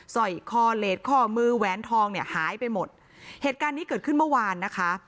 สร้อยคอเลสข้อมือแหวนทองเนี่ยหายไปหมดเหตุการณ์นี้เกิดขึ้นเมื่อวานนะคะ